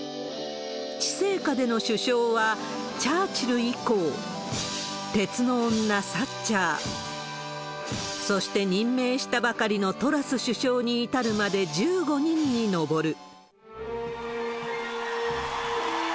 治世下での首相は、チャーチル以降、鉄の女、サッチャー、そして任命したばかりのトラス首相に至るまで１５人に上る。